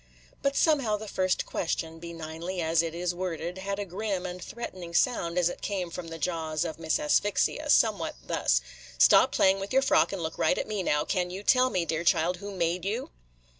But somehow the first question, benignly as it is worded, had a grim and threatening sound as it came from the jaws of Miss Asphyxia, somewhat thus: "Stop playing with your frock, and look right at me, now. 'Can you tell me, dear child, who made you?'"